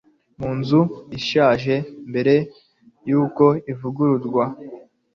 munzu ishaje mbere yuko ivugururwa